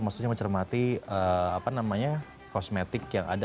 maksudnya mencermati apa namanya kosmetik yang ada